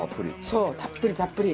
そうたっぷりたっぷり。